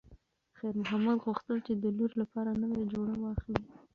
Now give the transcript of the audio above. خیر محمد غوښتل چې د لور لپاره نوې جوړه واخلي.